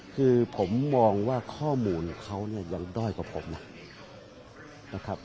คือผมมองว่าข้อมูลของเขาเนี่ยยังด้อยกว่าผมนะครับ